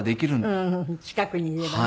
近くにいればね。